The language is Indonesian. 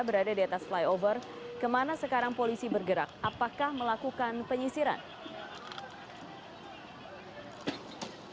berada di atas flyover kemana sekarang polisi bergerak apakah melakukan penyisiran